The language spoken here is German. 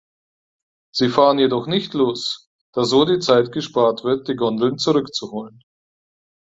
Sie fahren jedoch nicht los, da so die Zeit gespart wird, die Gondeln zurückzuholen.